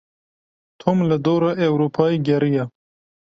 Tom li dora Ewropayê geriya.